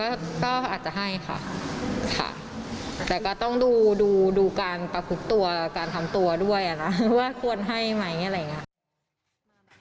ก็ก็อาจจะให้ค่ะค่ะแต่ก็ต้องดูดูการประคุบตัวการทำตัวด้วยอ่ะนะว่าควรให้ไหมอะไรอย่างนี้